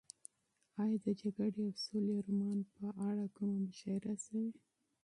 ایا د جګړې او سولې رومان په اړه کومه مشاعره شوې؟